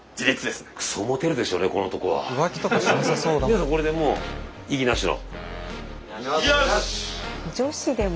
皆さんこれでもう異議なしの。